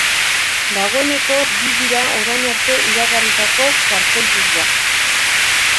Dagoeneko bi dira orain arte iragarritako kartelburuak.